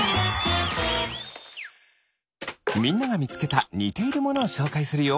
みんながみつけたにているものをしょうかいするよ。